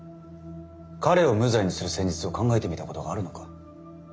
彼を無罪にする戦術を考えてみたことがあるのか？